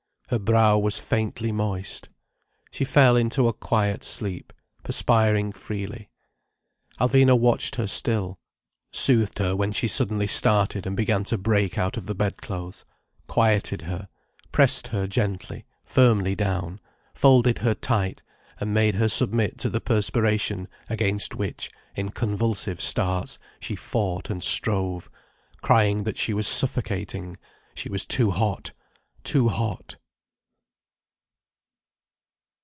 Her brow was faintly moist. She fell into a quiet sleep, perspiring freely. Alvina watched her still, soothed her when she suddenly started and began to break out of the bedclothes, quieted her, pressed her gently, firmly down, folded her tight and made her submit to the perspiration against which, in convulsive starts, she fought and strove, crying that she was suffocating, she was too hot, too hot.